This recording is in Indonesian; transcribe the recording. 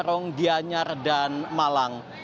barong dianyar dan malang